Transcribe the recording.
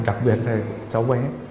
đặc biệt là cháu bé